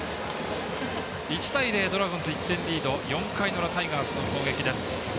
１対０ドラゴンズ１点リード４回の裏、タイガースの攻撃です。